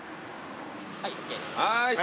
はいＯＫです。